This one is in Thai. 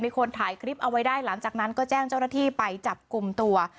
คนถ่ายคลิปเอาไว้ได้หลังจากนั้นก็แจ้งเจ้าหน้าที่ไปจับกลุ่มตัว